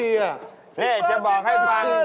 พี่เฟิร์นเพชรจะบอกให้มัน